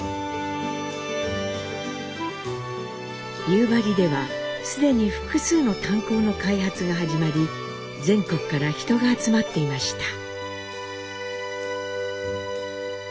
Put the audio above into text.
夕張では既に複数の炭鉱の開発が始まり全国から人が集まっていました。